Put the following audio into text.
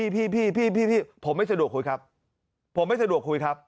พี่ผมไม่สะดวกคุยครับ